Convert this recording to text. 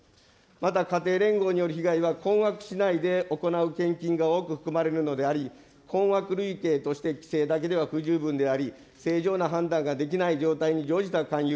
また家庭連合による被害は困惑しないで行う献金が多く含まれるのであり、困惑類型として規制だけでは不十分であり、正常な判断ができない状態に乗じた勧誘。